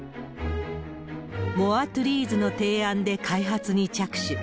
モア・トゥリーズの提案で開発に着手。